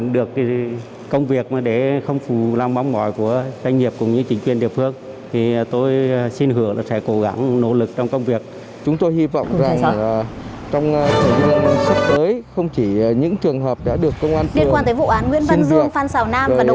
điện quan tới vụ án nguyễn văn dương phan xào nam và đồng phạm